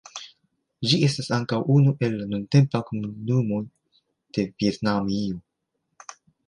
Ĝi estas ankaŭ unu el la nuntempa komunumoj de Vjetnamio.